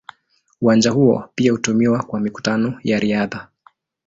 Uwanja huo pia hutumiwa kwa mikutano ya riadha.